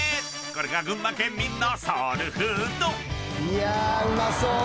これが群馬県民のソウルフード⁉］うまそう！